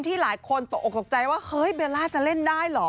หลายคนตกออกตกใจว่าเฮ้ยเบลล่าจะเล่นได้เหรอ